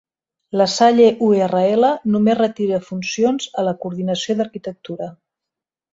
La Salle-URL només retira funcions a la coordinació d'Arquitectura